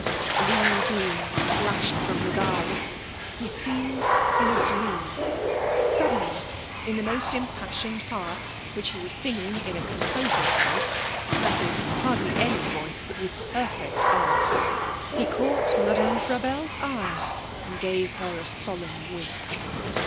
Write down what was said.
Blue beams flashed from his eyes; he seemed in a dream. Suddenly in the most impassioned part, which he was singing in a composer's voice, that is, hardly any voice, but with perfect art, he caught Madame Frabelle's eye, and gave her a solemn wink.